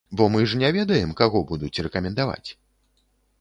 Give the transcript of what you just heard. Бо мы ж не ведаем, каго будуць рэкамендаваць?